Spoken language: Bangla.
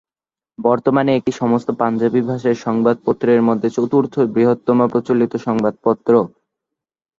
বর্তমানে এটি সমস্ত পাঞ্জাবি ভাষার সংবাদপত্রের মধ্যে চতুর্থ বৃহত্তম প্রচলিত সংবাদপত্র।